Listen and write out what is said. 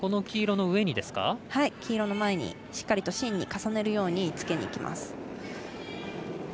黄色の前にしっかりと芯に重ねるようにつけにいきます。